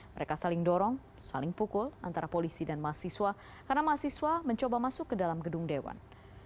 mereka saling dorong saling pukul antara polisi dan mahasiswa karena mahasiswa mencoba masuk ke dalam gedung dewan